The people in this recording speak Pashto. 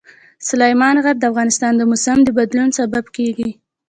سلیمان غر د افغانستان د موسم د بدلون سبب کېږي.